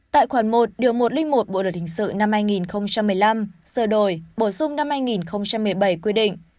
tại khoản một điều một trăm linh một bộ luật hình sự năm hai nghìn một mươi năm sửa đổi bổ sung năm hai nghìn một mươi bảy quy định